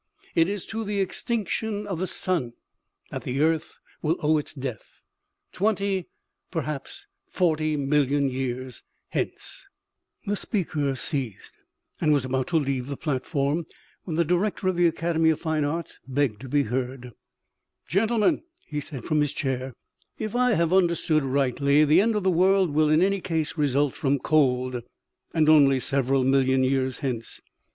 // is to the extinction of the sun that the earth will owe its death, twenty, perhaps forty million years hence" The speaker ceased, and w r as about to leave the platform, when the director of the academy of fine arts begged to be heard :" Gentlemen," he said, from his chair, " if I have under stood rightly, the end of the world will in any case result from cold, and only several million years hence.